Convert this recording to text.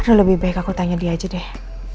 aduh lebih baik aku tanya dia gitu deh